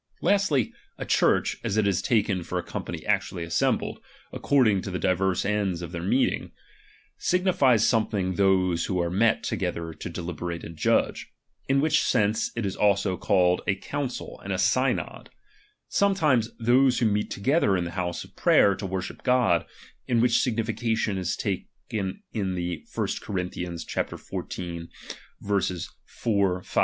Lastly, a Clmrch, as it is taken ^H for a company actually assembled, according to the ^H divers ends of their meeting, signifies sometimes ^H those who are met together to deliberate and judge ; ^H in which sense it is also called a council and a ^H synod ; sometimes those who meet together in the ^H house of prayer to worship God, in which signifi ^H cation it is taken in the 1 Cor. xiv. 4, 5, 23, 28, &c.